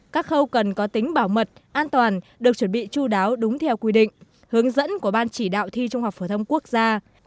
các khâu cần có tính bảo mật an toàn được chuẩn bị chú đáo đúng theo quy định hướng dẫn của ban chỉ đạo thi trung học phổ thông quốc gia